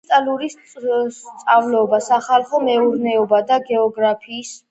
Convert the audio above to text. კრისტალერი სწავლობდა სახალხო მეურნეობასა და გეოგრაფიას.